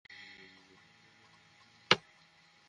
জীবন দিতে পারে সে তোমার জন্য।